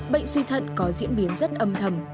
bệnh suy thận có diễn biến rất âm thầm